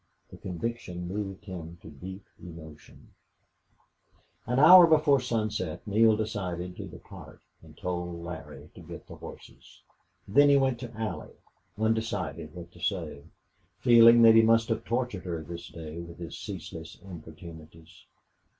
The conviction moved him to deep emotion. An hour before sunset Neale decided to depart, and told Larry to get the horses. Then he went to Allie, undecided what to say, feeling that he must have tortured her this day with his ceaseless importunities.